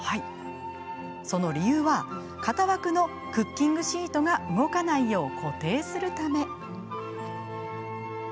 その理由は型枠のクッキングシートが動かないよう固定するため。